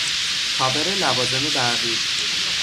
کاور لوازم برقی